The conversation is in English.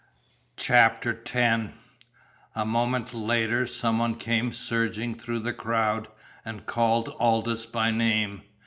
CHAPTER X A moment later some one came surging through the crowd, and called Aldous by name.